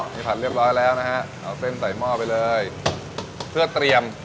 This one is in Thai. นี่ผัดเรียบร้อยแล้วนะฮะเอาเส้นใส่หม้อไปเลยเพื่อเตรียม